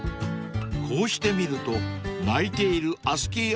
［こうして見ると泣いているアスキー